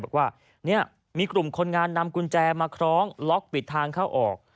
บอกว่าเนี่ยมีกลุ่มคนงานนำกุญแจมาคล้องล็อกปิดทางเข้าออก